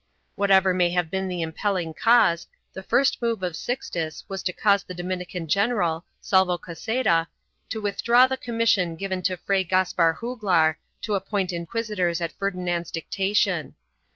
Whatever may have been the impelling cause, the first move of Sixtus was to cause the Domin ican General, Salvo Caseta, to withdraw the commission given to Fray Caspar Juglar to appoint inquisitors at Ferdinand's dictation.